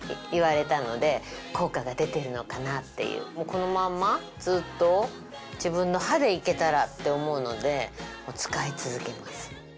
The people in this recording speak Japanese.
このまんまずっと自分の歯でいけたらって思うのでもう使い続けます。